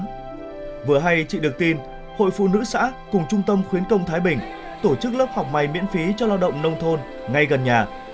vừa hay chị được tin hội phụ nữ xã cùng trung tâm khuyến công thái bình tổ chức lớp học mày miễn phí cho lao động nông thôn ngay gần nhà